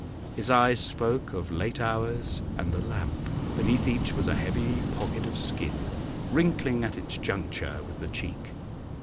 His eyes spoke of late hours and the lamp; beneath each was a heavy pocket of skin, wrinkling at its juncture with the cheek.